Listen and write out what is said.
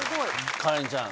カレンちゃん